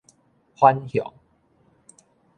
反向